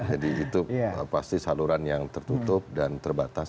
jadi itu pasti saluran yang tertutup dan terbatas